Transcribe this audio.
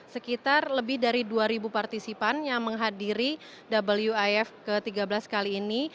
sekitar lebih dari dua partisipan yang menghadiri wif ke tiga belas kali ini